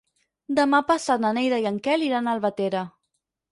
Demà passat na Neida i en Quel iran a Albatera.